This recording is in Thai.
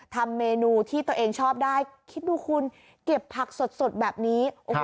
ทำเมนูที่ตัวเองชอบได้คิดดูคุณเก็บผักสดแบบนี้